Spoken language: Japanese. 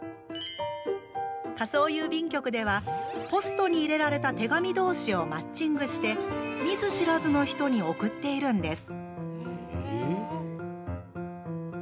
仮想郵便局ではポストに入れられた手紙同士をマッチングして見ず知らずの人に送っているんです。